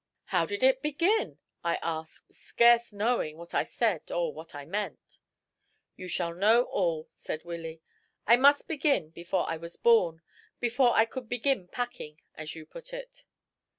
"How did it begin?" I asked, scarce knowing what I said or what I meant. "You shall know all," said Willy. "I must begin before I was born before I could begin packing, as you put it."